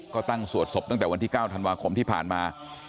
ก็ตั้งสวดศพตั้งแต่วันที่๙ธันวาคมที่ผ่านมา